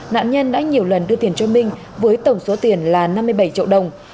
nạn nhân đã nhiều lần đưa tiền cho minh với tổng số tiền là năm mươi bảy triệu đồng